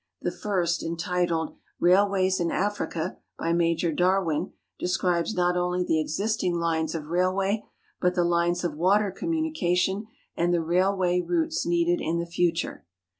The tirst, entitled " Rail ways in Africa," by Major Darwin, describes not only the existing lines of railway, but the lines of water communication and the railway routes needed in the future.